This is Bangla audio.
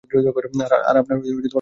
আর আপনার পকেট খালি করুন।